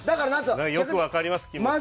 よく分かります気持ち。